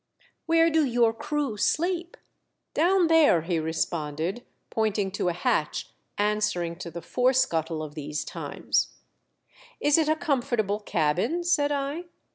" Where do your crew sleep .''"•' Down there," he responded, pointing to a hatch answering to the forescuttle of these times. THE DEATH SHIPS FORECASTLE. 217 " Is it a comfortable cabin ?" said I.